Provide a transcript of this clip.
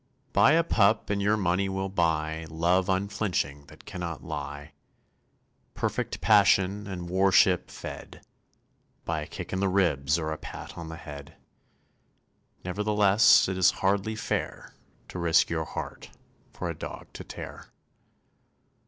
Buy a pup and your money will buy Love unflinching that cannot lie Perfect passion and worship fed By a kick in the ribs or a pat on the head. Nevertheless it is hardly fair To risk your heart for a dog to tear.